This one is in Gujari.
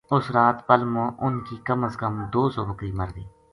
اُس رات پل ما ان کی کم از کم دو سو بکری مرگئی